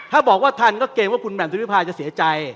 ถ้าบอกว่าทันก็เกรงว่าคุณแหม่มสุริพาจะเสียใจ